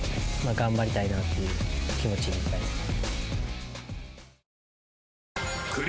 頑張りたいなっていう気持ちになりますね。